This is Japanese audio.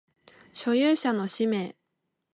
所有者の氏名